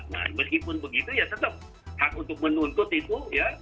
nah meskipun begitu ya tetap hak untuk menuntut itu ya